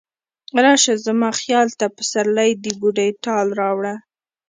راشه زما خیال ته، پسرلی د بوډۍ ټال راوړه